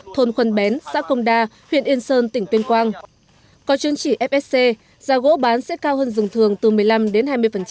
thôn khuân bén xã công đa huyện yên sơn tỉnh tuyên quang có chứng chỉ fsc giá gỗ bán sẽ cao hơn rừng thường từ một mươi năm đến hai mươi